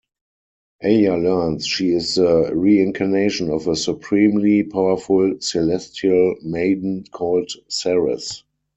Aya learns she is the reincarnation of a supremely powerful celestial maiden called Ceres.